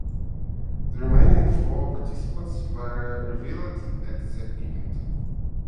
The remaining four participants were revealed at the event.